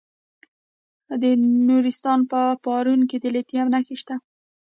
د نورستان په پارون کې د لیتیم نښې شته.